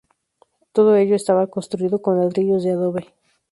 Todo ello estaba construido con ladrillos de adobe.